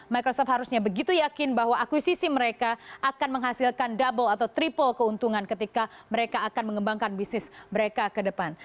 microsoft harusnya begitu yakin bahwa akuisisi mereka akan menghasilkan double atau triple keuntungan ketika mereka akan mengembangkan bisnis mereka ke depan